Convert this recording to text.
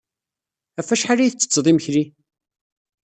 Ɣef wacḥal ay tettetted imekli?